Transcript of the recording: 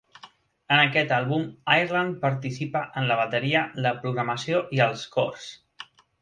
En aquest àlbum Ireland participa en la bateria, la programació i els cors.